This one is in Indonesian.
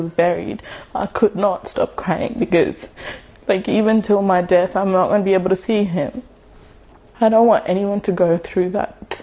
saya tidak ingin ada yang melakukannya